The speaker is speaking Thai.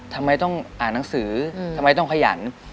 ทำไมต้องอ่านหนังสือทำไมต้องขยัน